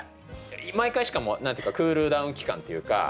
毎回しかも何て言うかクールダウン期間っていうか。